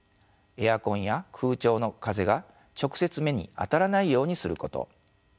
エアコンや空調の風が直接目にあたらないようにすること